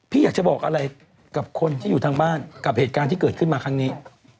อยากจะบอกอะไรกับคนที่อยู่ทางบ้านกับเหตุการณ์ที่เกิดขึ้นมาครั้งนี้